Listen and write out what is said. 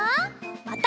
また。